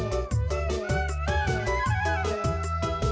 tapi mengapa balasanmu